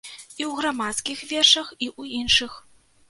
І ў грамадзянскіх вершах, і ў іншых.